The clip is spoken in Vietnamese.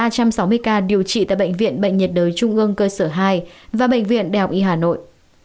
có bốn ba trăm bảy mươi năm người điều trị tại bệnh viện bệnh nhiệt đới trung ương cơ sở hai và bệnh viện đèo y hà nội